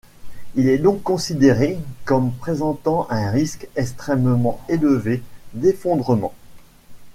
Il est donc considéré comme présentant un risque extrêmement élevé d'effondrement.